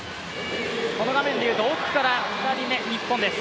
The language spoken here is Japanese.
この画面でいうと奥から２人目、日本です。